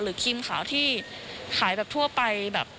หรือครีมขาวที่ขายแบบทั่วไป